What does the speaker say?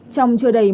trong trường đại dịch